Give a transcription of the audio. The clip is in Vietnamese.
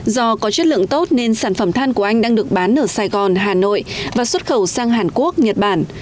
do có chất lượng tốt nên sản phẩm than của anh đang được bán ở sài gòn hà nội và xuất khẩu sang hàn quốc nhật bản